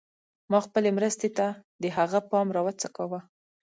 ما خپلې مرستې ته د هغه پام راوڅکاوه.